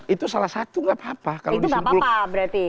itu gak apa apa berarti